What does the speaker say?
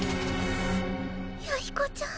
弥彦ちゃん。